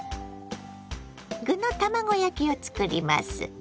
具の卵焼きを作ります。